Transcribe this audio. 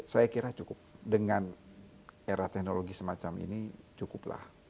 saya kira cukup dengan era teknologi semacam ini cukuplah